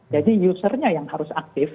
jadi usernya yang harus aktif